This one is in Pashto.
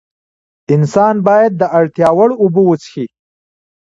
انسان باید د اړتیا وړ اوبه وڅښي